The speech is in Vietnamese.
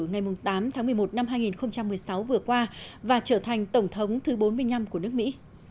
ngày tám tháng một mươi một năm hai nghìn một mươi sáu vừa qua và trở thành tổng thống thứ bốn mươi năm của nước mỹ